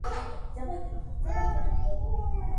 হায় হায় রে!